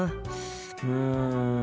うん。